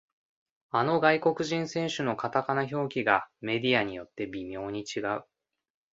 あの外国人選手のカタカナ表記がメディアによって微妙に違う